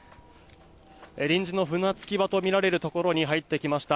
臨時の船着き場とみられるところに入ってきました。